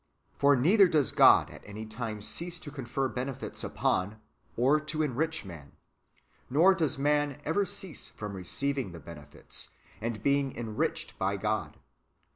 For neither does God at any time cease to confer benefits upon, or to enrich man ; nor does man ever cease from receiving the benefits, and being enriched by God.